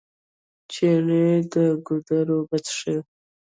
چڼې د ګودر اوبه څښلې.